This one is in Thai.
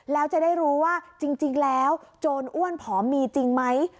แล้วจะได้รู้ว่าจริงแล้วโจรอ้วนผอมมีจริงไหม